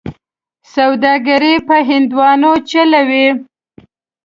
سوداګري په هندوانو چلوي.